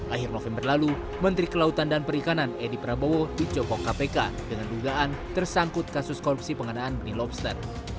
akhir november lalu menteri kelautan dan perikanan edi prabowo dicopok kpk dengan dugaan tersangkut kasus korupsi pengadaan benih lobster